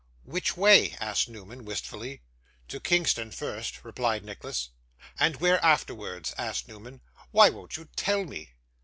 'Which way?' asked Newman, wistfully. 'To Kingston first,' replied Nicholas. 'And where afterwards?' asked Newman. 'Why won't you tell me?